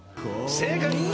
正解！